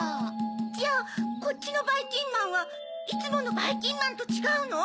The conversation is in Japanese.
じゃあこっちのばいきんまんはいつものばいきんまんとちがうの？